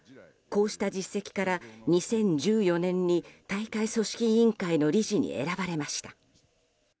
こうした実績から２０１４年に大会組織委員会の理事に選ばれました。